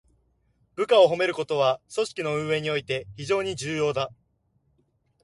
部下を褒めることは、組織の運営において非常に重要だ。